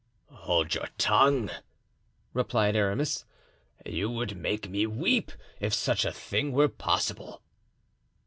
"Hold your tongue," replied Aramis; "you would make me weep, if such a thing were possible."